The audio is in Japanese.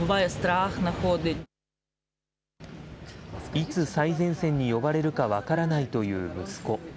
いつ最前線に呼ばれるか分からないという息子。